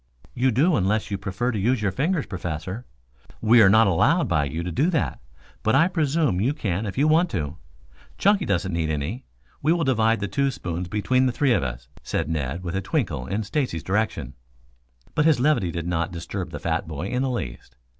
"You do, unless you prefer to use your fingers, Professor. We are not allowed by you to do that, but I presume you can if you want to. Chunky doesn't need any. We will divide the two spoons between the three of us," said Ned, with a twinkle in Stacy's direction. But his levity did not disturb the fat boy in the least.